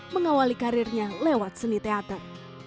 mengawali karirnya lewat seni teater